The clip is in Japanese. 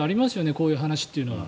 こういう話っていうのは。